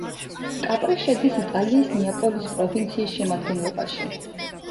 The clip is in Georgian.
კაპრი შედის იტალიის ნეაპოლის პროვინციის შემადგენლობაში.